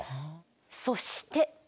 そして。